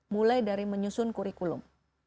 mulai dari menyusun kurikulum